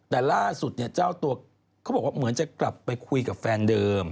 แต่ล่าสุดเนี่ยเจ้าตัวเขาบอกว่าเหมือนจะกลับไปคุยกับแฟนเดิม